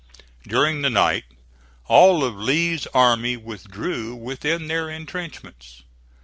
During the night all of Lee's army withdrew within their intrenchments.